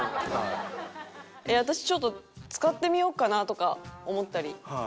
私ちょっと使ってみようかなとか思ったり。